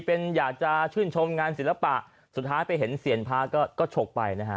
เป็นอยากจะชื่นชมงานศิลปะสุดท้ายไปเห็นเซียนพระก็ฉกไปนะฮะ